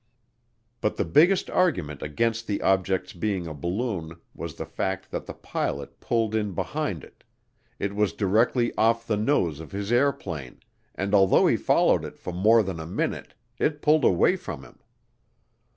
But the biggest argument against the object's being a balloon was the fact that the pilot pulled in behind it; it was directly off the nose of his airplane, and although he followed it for more than a minute, it pulled away from him.